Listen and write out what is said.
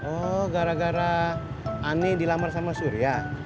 oh gara gara ani dilamar sama surya